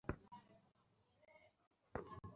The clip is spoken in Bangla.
মৃত্যু কোন বয়স মানে না!